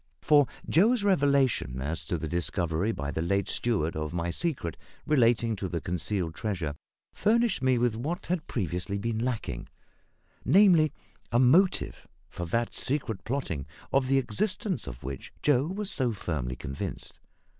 For Joe's revelation as to the discovery by the late steward of my secret relating to the concealed treasure furnished me with what had previously been lacking, namely, a motive for that secret plotting of the existence of which Joe was so firmly convinced.